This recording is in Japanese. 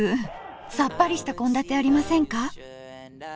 さっぱりした献立ありませんか？